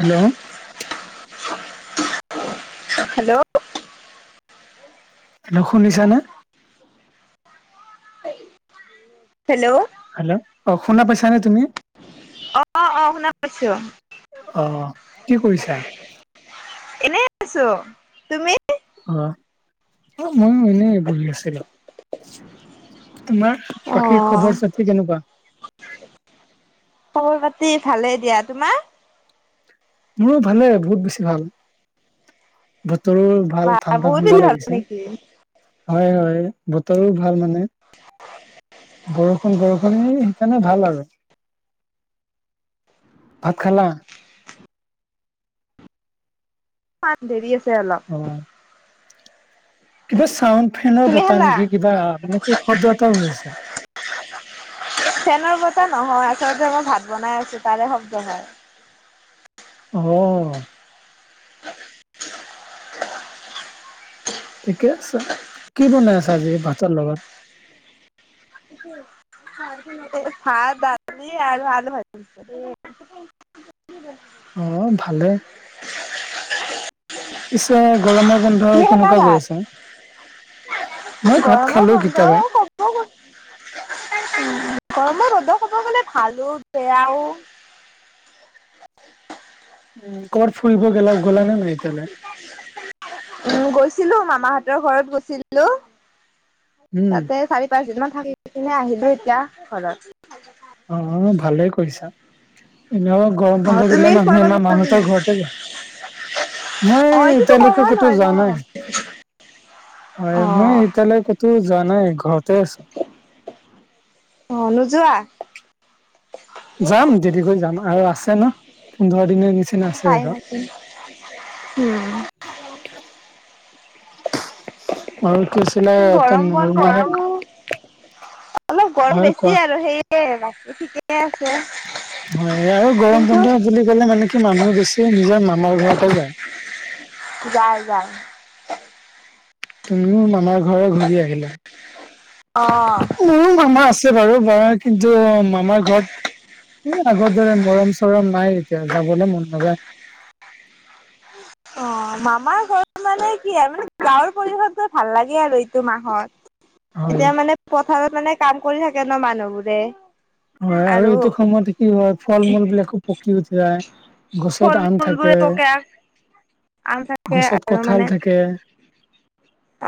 Hello! [inaudible] Hello! Hello! শুনিছা নে? Hello! Hello! অঁ শুনা পাইছা নে তুমি? অঁ-অঁ! শুনা পাইছোঁ। অ! কি কৰিছা? এনেই আছোঁ। তুমি? অঁ! অঁ মইয়ো এনেই বহি আছিলোঁ তোমাৰ। বাকী খবৰ অঁ-অঁ! চতি কেনেকুৱা? খবৰ পাতি ভালেই দিয়া। তোমাৰ? মোৰো ভালেই বহুত বেছি ভাল। বতৰো ভখল বা বহুত ঠাণ্ডা-ঠাণ্ডা দেৰি হ'ল লাগিছে। নেকি হয়-হয় বতৰো ভাল মানে। বৰষুণ-বৰষুণ এই এই কাৰণে ভাল আৰু। ভাত খালা? দেৰি আছে অ অলপ কিবা চাউণ্ড ফেনৰ তুমি বতটা খালা নেকি কিবা মানে কি শব্দ এটাও হৈ আছে ফেনৰ বত নহয় আচলতে মই ভাত বনাই আছো তাল শব্দ হয় অ [unintelligible] ঠিকে আছে কি বনাই আছা আজি ভাতৰ লগত [unintelligible] ভাত দালি আৰু আলু ভাজি ভাত অ ভালে [unintelligible] পিছে গৰমৰ বন্ধ তুমি খালা কেনেকুৱা গৈ ভাত আছে মই ভাত খালো কিতাবাই উ গৰমৰ ৰদক ক'ব গলে ভালো বেয়াও উ কৰ বাত ফুৰিব গেলা গ'লা নে নাই এতিয়াল উ গৈছিলো মামাহতৰ ঘৰত গৈছিলো উম তাতে চাৰি পাঁচদিনমান থাকি কিনে আহিলো এতিয়া ঘৰত অ ভালে কৰিছা এনে গৰম অ' বন্ধ তুমি দিলে মানুহে কৰবাত মামাসতৰ ঘৰতে যায় মই অ' এইটোতো এতিয়ালৈকে কমন ক'তো হয় ন। যোৱা নাই হয় মই অ' এতিয়ালৈ ক'তো যোৱা নাই ঘৰতে আছো অ নোযোৱা যাম দেৰিকৈ যাম আৰু আছে ন পোন্ধৰ দিনৰ নিচিনা আছে টাইম আৰু আছিল। উম, [unintelligible] আৰু কি আছিলে এইটো গৰম বন্ধতো অলপ গৰম কোৱা বেছি আৰু সেয়ে বাকী ঠিকেই আছে হয় আৰু গৰম কিন্তু বন্ধ বুলি ক'লে মানে কি মানুহে বেছি নিজৰ মামাৰ ঘৰতে যায় যায় যায় তুমিও মামাৰ ঘৰ ঘূৰি আহিলা অ' মোৰো মামা আছে বাৰু কিন্তু মামাৰ ঘৰত এ আগৰ দৰে মৰম চৰম নাই এতিয়া যাবলে মন নাযায় অ মামাৰ ঘ মানে কি হয় মানে গাঁৱৰ পৰিষদটো ভাল লাগে আৰু এইটো মাহত হয় এতিয়া মানে পথাৰত মানে কাম কৰি থাকে ন মানুহবোৰে হয় আৰু এইটো সময়তে কি হয় ফল মূল বিলাকো পকি উঠি যায় গছত ফল আম মূল থাকে বোৰে পকে আম থাকে গছত আৰু কঁঠাল মানে থাকে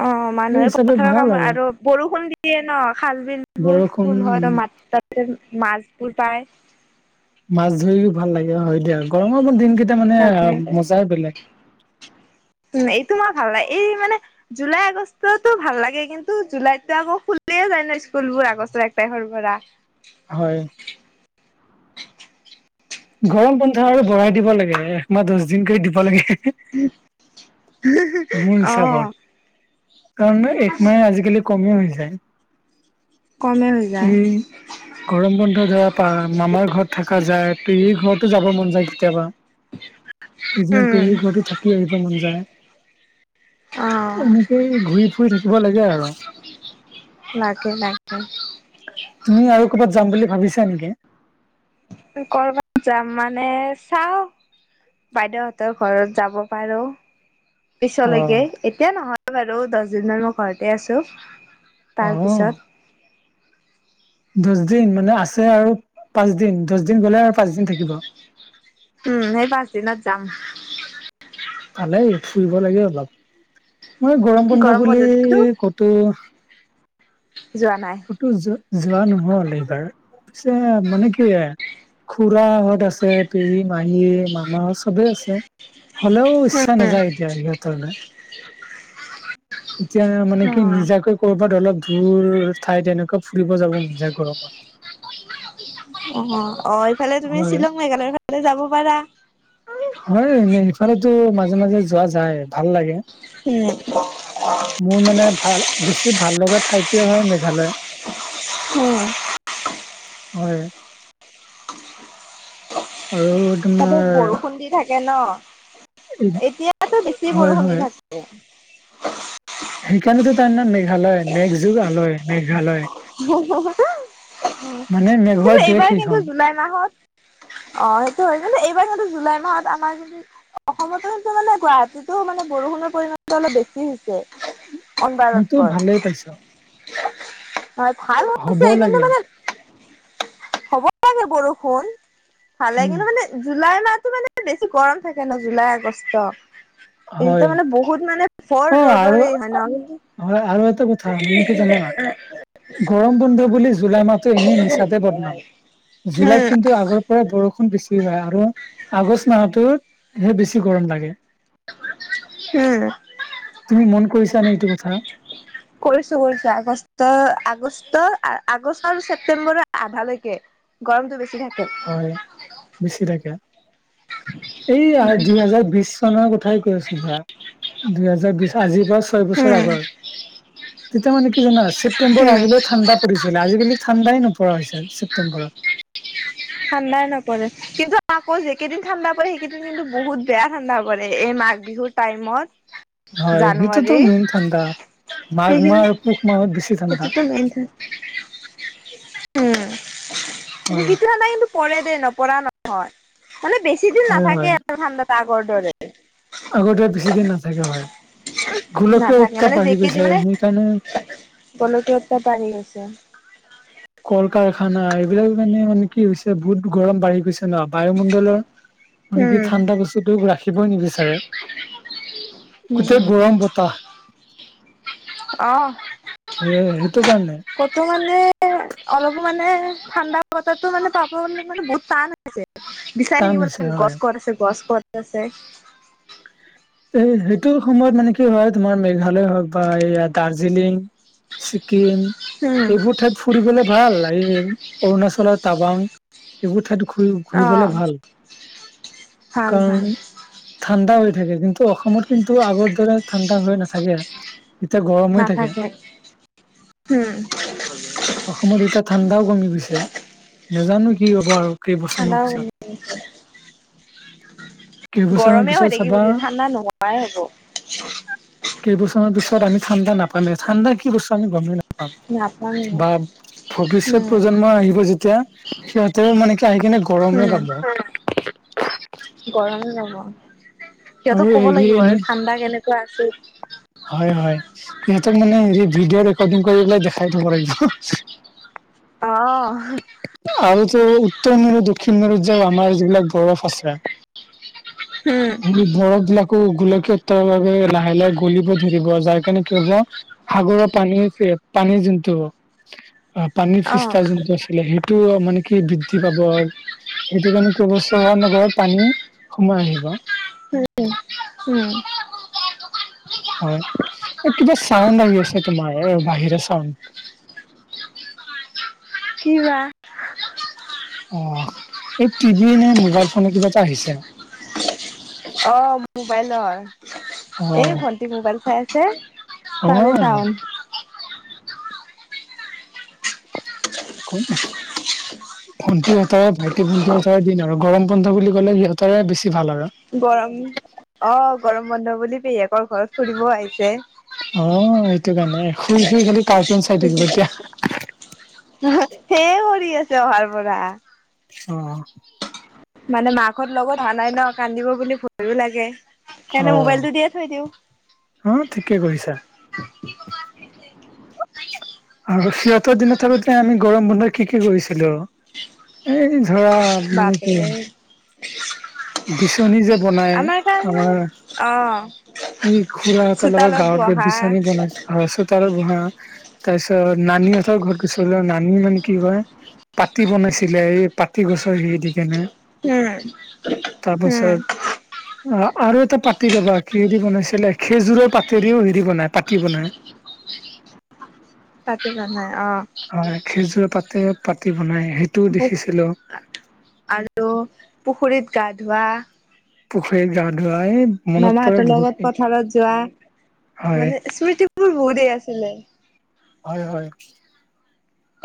অ সেই মানুহে হিচাপে পথাৰৰ ভাল কামত আৰু বৰষুণ দিয়ে ন খাল বিল বোৰ বৰষুণ ফুল হয় উম মাছবোৰ পায় মাছ ধৰিও ভাল লাগে হয় দিয়া গৰমৰ দিনকেইটা মানে অ মজাই বেলেগ এইটো মই ভাল নাই এই মানে জুলাই আগষ্টতো ভাল লাগে কিন্তু জুলাইতো আকৌ খুলিয়েই যায় ন স্কুলবোৰ আগষ্টৰ এক তাৰিখৰ পৰা হয় গৰম বন্ধ আৰু বঢ়াই দিব লাগে একমাহ দহ দিন কৰি দিব লাগে মোৰ অ হিচাপত কাৰণ এক মাহে আজিকালি কমেই হৈ যায় কমে হৈ যায় ওম গৰম বন্ধ ধৰা পা মামাৰ ঘৰত থকা যায় পেহী ঘৰতো যাব মন যায় কেতিয়াবা কেইদিমান উম পেহী ঘৰতো থাকি আহিব মন যায়। অ এনেকেই ঘূৰি ফুৰি থাকিব লাগে আৰু লাগে লাগে। তুমি আৰু কৰ'বাত যাম বুলি ভাবিছা নেকি। কৰবাত যাম মানে চাওঁ, বাইদেউ হঁতৰ ঘৰত যাব পাৰোঁ অ', পিছলৈকে। এতিয়া নহয় বাৰু দহদিনমান মই ঘৰতে আছোঁ অ', তাৰপিছত। দহ দিন মানে আছে আৰু পাঁচ দিন দহ দিন গলে আৰু পাঁচ দিন থাকিব। উম সেই পাঁচ দিনত যাম। ভালেই ফুৰিব লাগে অলপ মই গৰম বন্ধ বুলি কতো, যোৱা নাই। যো যোৱা নহল এইবাৰ পিছে মানে কি। খুৰা সত আছে পেহী মাহী মামাহঁত চবেই আছে। হলেও ইচ্ছা নাযায় এতিয়া সিহঁতৰ। এতিয়া মানে কি অ', নিজাকৈ কৰবাত অলপ দূৰ ঠাইত তেনেকুৱা কৈ ফুৰিব যাব মন যায় গৰমত, অ অ এইফালে তুমি হয় শ্বিলং মেঘালয়ৰ ফালে যাব পাৰা। হয় এনেই সেইফালেতো মাজে মাজে যোৱা যায় ভাল লাগে। উম মোৰ মানে ভাল বেছি ভাল লগা ঠাই টোৱে হয় মেঘালয়। উম, হয়। আৰু তাতে তোমাৰ বৰষুণ দি থাকে ন এতিয়াতো বেছি হয় বৰষুণ দি হয় থাকে। সেইকাৰণেতো তাৰ নাম মেঘালয় মেঘ যুগ আলয় মেঘালয়। কিন্তু মানে মেঘৰ দেশ এইবাৰ সেইখন কিন্তু জুলাই মাহত, অ সেইটো হয় এইবাৰ কিন্তু জুলাই মাহত আমাৰ যদি, অসমতো সেইটো মানে গুৱাহাটীতো মানে বৰষুণৰ পৰিমণটো অলপ বেছি হৈছে। মইতো অনবাৰতকৈ ভালেই পাইছো। হয় ভাল হ'ব হৈছে এইকানে লাগে মানে, হ'ব লাগে বৰষুণ ভালে উম। কিন্তু মানে। জুলাই মাহটো মানে বেছি গৰম থাকে মানে জুলাই, আগষ্ট, এই কেইটা হয় মানে বহুত মানে। ভৰ অ আৰু ৰদৰে হয় ন, হয় আৰু এটা কথা মানে কি জানা গৰম বন্ধু বুলি জুলাই মাহটো এনেই মিছাতে বদনাম জুলাইত কিন্তু আগৰ, বৰষুণ বেছি হয় আৰু আগষ্ট মাহত হে বেছি গৰম লাগে। হম, তুমি মন কৰিছা নে এইটো কথা। কৰিছো কৰিছো আগষ্ট আগষ্ট আগষ্ট আৰু ছেপ্তেম্বৰ আধালৈকে। গৰমতটো বেছি থাকে। হয় বেছি থাকে এই উম দুই হেজাৰ বিশ। কথাই কৈ আছো ধৰা দুহেজাৰ বিশ আজিৰ পৰা ছয় বছৰ উম আগৰ। তেতিয়া মানে কি জানা ছেপ্তেম্বৰ উম আহিলেও ঠাণ্ডা পৰিছিল আজিকালি ঠাণ্ডাই নপৰা হৈ হৈছে ছেপ্তেম্বৰত। ঠাণ্ডাই নপৰে কিন্তু আকৌ যি কেইদিন ঠাণ্ডা পৰে সেইকেইদিন কিন্তু বহুত বেয়া ঠাণ্ডা পৰে এই মাঘ বিহুত। টাইমত। হয় সেইটোতো জানুৱাৰী মেইন ঠাণ্ডা মাঘ মাহ আৰু পুহ মাহত বেছি ঠাণ্ডা [unintelligible] উম হয় কিন্তু [unintelligible] নাই কিন্তু পৰে দেই নপৰা নহয় মানে বেছ বেছিদিন হয় হয় নাথাকে আৰু ঠাণ্ডাত আগৰ দৰে আগতে বেছিদিন নাথাকে হয় গোলকীয় নাথাকে উত্তাপ মানে বাঢ়ি যিকেইদিন গৈছে মানে সেইকাৰণে গোলকীয় উত্তাপ বাঢ়ি গৈছে কল কাৰখানা এইবিলাক মানে মানে কি হৈছে বহুত গৰম বাঢ়ি গৈছে ন বায়ুমণ্ডলৰ মানে কি উম। ঠাণ্ডা বস্তুটো ৰাখিবই নিবিচাৰে গোটেই গৰম বতাহ অ সেয়াই সেইটো কান কতো মানে অলপো মানে ঠাণ্ডা বতাতো মানে তাপ মানে বহুত টান হৈছে বিচাৰ টান থাকিব হৈছে লাগে হয় গছ ক'ত আছে গছ ক'ত আছে এই সেইটো সময়ত মানে কি হয় তোমাৰ মেঘালয় হওক বা এইয়া দাৰ্জিলিং ছিকিম উম এইবোৰ ঠাইত ফুৰিবলে ভাল এই অৰুণাচলৰ টাবাং এইবোৰ ঠাইত ঘূৰি ঘূৰিবলে অ'। ভাল ভাল ভাল কাৰণ ঠাণ্ডা হৈ থাকে কিন্তু অসমত কিন্তু আগৰ দৰে ঠাণ্ডা হৈ নাথাকে এতিয়া গৰম হৈ থাকে নাথাকে উম অসমত এতিয়া ঠাণ্ডাও কমি গৈছে নাজানো কি হ'ব আৰু কেইবছৰমান ঠাণ্ডাও পিছত কমি গৈছে কেইবছৰমান গৰমে হৈ পিছত চাবা থাকি [unintelligible] ঠাণ্ডা নোহোৱাই হ'ব কেইবছৰ মানৰ পিছত আমি ঠাণ্ডা নাপামে ঠাণ্ডা কি বস্তু আমি গমেই না নাপামে ভৱিষ্যত প্ৰজন্ম আহিব যেতিয়া সিহঁতেৰ মানে কি আহি কিনে গৰমে উম। পাব গৰম পাব আৰু সিহঁতক কব এই লাগিব এনে আৰু ঠাণ্ডা কেনেকুৱা আছিল হয় হয় সিহঁতক মানে হেৰি ভিডিঅ' ৰেকৰ্ডিং কৰি পেলাই দেখাই থব লাগিব অ আৰু তো উত্তৰ মেৰু দক্ষিণ মেৰুত যে আমাৰ যিবিলাক বৰফ আছে হোম মোৰ বৰফ বিলাকো গোলকীয়ত উত্তাপৰ বাবে লাহে লাহে গলিব ধৰিব যাৰ কাৰণে কি হ'ব সাগৰৰ পানী যে পানীৰ যোনটো অ পানীৰ অ', ফিষ্টা যোনটো আছিলে সেইটো মানে কি বৃদ্ধি পাব সেইটো কাৰণে কি হ'ব চহৰ নগৰত পানী সোমাই আহিব উম হয় কিবা চাউণ্ড আহি আছে তোমাৰ এ বাহিৰে চাউণ্ড কিবা অ এই টিভি নে মোবাইল ফোনৰ কিবা এটা আহিছে অ', মোবাইলৰ অ এই ভণ্টি মোবাইল চাই আছে অ তাৰে চাওঁন একো নাই ভণ্টিহঁতৰ ভাইটি ভণ্টি হঁতৰ দিন আৰু গৰম বন্ধ বুলি কলে সিহঁতৰে বেছি ভাল আৰু গৰম অ গৰম বন্ধ বুলি পেহীয়েকৰ ঘৰত ফুৰিব আহিছে অ সেইটো কাৰণে শুই শুই খালি কাৰ সেইয়ে কৰি আছে অহাৰ পৰা অ, মানে মাকহত লগত অহা নাই ন কান্দিব বুলি ভয়ো লাগে সেইকাৰণে মোবাইলটো দিয়ে থৈ দিওঁ। অ ঠিকে কৰিছা। আৰু সিহঁতৰ দিনাতে আৰু আমি গৰম বন্ধত কি কি কৰিছিলো? এই ধৰা মানে কি [unintelligible] বাপৰে বিচনী যে বনাই আমাৰ কাৰণে অ আমাৰ- এই খুড়া হতৰ লগত চোতালত গাঁৱত গৈ বহা বিচানী বনাইছোঁ আৰু চোতালত বহা- তাৰপিছত নানি হতৰ ঘৰত গৈছিলোঁ, নানী মানে কি কয়- পাতি বনাইছিলে এই পাতি গছৰ সেই দি কেনে। উমঁ। তাৰপাছত- অ' আৰু এটা পাতি ৰবা কিহেৰে দি বনাইছিলে খেজুৰৰ পাতেৰেও হেৰি বনাই পাতি বনাই। পাতি বনাই অঁ'। হয়, খেজুৰৰ পাতে পাতি বনাই সেইটোও পু দেখিছিলোঁ। আৰু পুখুৰীত গা ধোৱা। পুখুৰীত গা ধুৱা এই- মনত পৰে মামাহঁতৰ লগত বহুতেই পথাৰত যোৱা হয় মানে স্মৃতিবোৰ বহুতেই আছিলে। হয় হয়।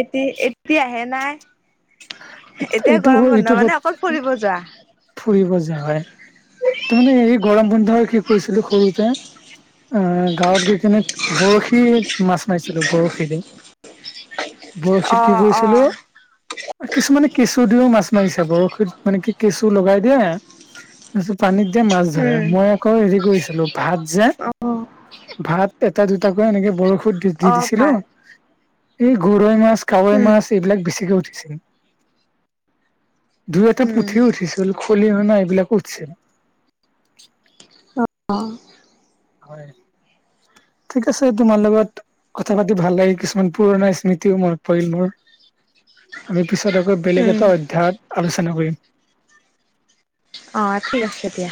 এট এতিয়াহে নাই। এতিয়া এইটো গৰম এইটো বন্ধ বহুত মানে অকল ফৰিব যোৱা। ফুৰিব যোৱা হয়। তুমি বন্ধৰ কি কৰিছিলোঁ সৰুতে। অঁ' গাঁৱত গৈ কিনে বৰশী মাছ মাৰিছিলো বৰশীৰে। অ বৰশীত কি অ কৰিছিলো- কিছুমানে কেঁচু দিওঁ মাছ মাৰিছে বৰশীত মানে কি কেঁচু লগাই দিয়ে- তাৰপিছত পানীত দিয়ে মাছ ধৰে। উম মই- আকৌ হেৰি কৰিছিলোঁ ভাত যে অ ভাত এটা দুটাকৈ এনেকে বৰ শীত দি অ দিছিলোঁ ভাল এই গৰৈ মাছ, কাৱৈ উম মাছ এইবিলাক বেছিকে উঠিছিল। দুই এটা উম পুঠিও উঠিছিল, খলি হনা এইবিলাকো উঠিছিল। অঁ'। হয়। ঠিক আছে, তোমাৰ লগত কথা পাতি ভাল লাগিল কিছুমান পুৰণা স্মৃতিও মনত পৰিল মোৰ। আমি পিছত আকৌ বেলেগ উম এটা অধ্যয়নত আলোচনা কৰিম। অঁ' ঠিক আছে দিয়া।